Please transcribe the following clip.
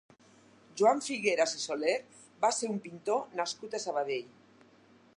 Joan Figueras i Soler va ser un pintor nascut a Sabadell.